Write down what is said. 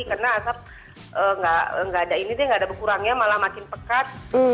karena asap gak ada ini deh gak ada berkurangnya malah makin pekat